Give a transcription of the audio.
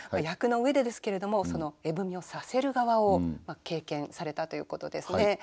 役の上でですけれども絵踏をさせる側を経験されたということですね。